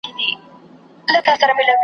که زور په بازو نه لري زر په ترازو نه لري .